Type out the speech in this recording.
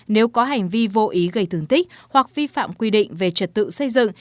nếu có hành vi vô ý gây thương tích hoặc vi phạm quy định về trật tự xây dựng